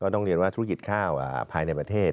ต้องเรียนว่าธุรกิจข้าวภายในประเทศ